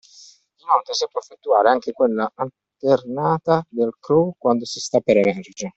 Inoltre si può effettuare anche quella alternata del crawl quando si sta per emergere.